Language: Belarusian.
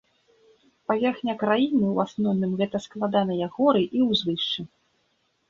Паверхня краіны ў асноўным гэта складаныя горы і ўзвышшы.